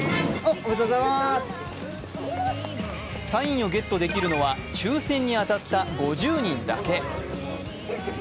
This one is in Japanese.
サインをゲットできるのは抽選に当たった５０人だけ。